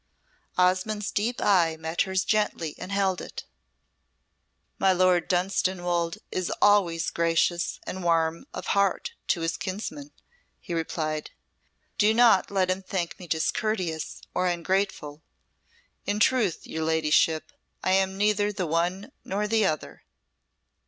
Osmonde's deep eye met hers gently and held it. "My Lord Dunstanwolde is always gracious and warm of heart to his kinsman," he replied. "Do not let him think me discourteous or ungrateful. In truth, your ladyship, I am neither the one nor the other."